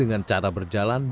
dengan cara berjalan jalan